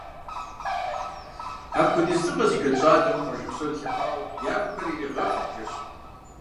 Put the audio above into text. Апхуэдиз лӏыгъэ зыхэлъ щӏалэм къуажэ псор елъэӏуауэ явхэр ирагъэгъэхъурт жэщым.